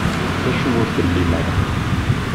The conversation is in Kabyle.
D acu ur tlim ara?